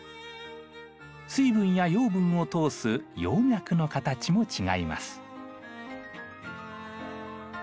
水分や養分を通す葉脈の形も違います。